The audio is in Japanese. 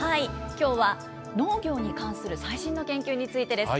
きょうは農業に関する最新の研究についてです。